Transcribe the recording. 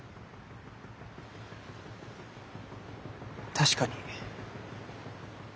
確かに。